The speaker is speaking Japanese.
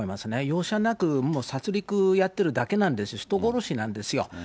容赦なくもう殺りくやってるだけなんです、人殺しなんですよ。